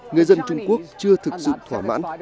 người dân trung quốc chưa thực sự thỏa mãn